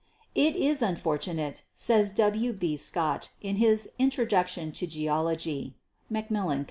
"It is unfortunate," says W. B. Scott in his 'Introduc tion to Geology' (Macmillan Co.)